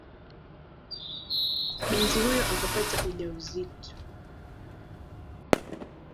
Binti huyo akapata ujauzito.